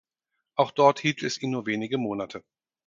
Auch dort hielt es ihn nur wenige Monate.